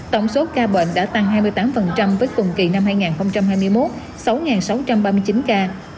tổng số ca bệnh đã tăng hai mươi tám với cùng kỳ năm hai nghìn hai mươi một sáu trăm ba mươi chín ca